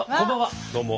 どうも。